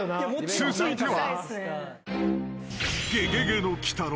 ［続いては］